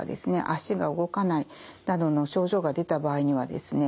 足が動かないなどの症状が出た場合にはですね